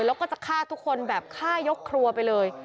แล้วก็จะฆ่าทุกคนแบบฆ่ายกครัวไปเลย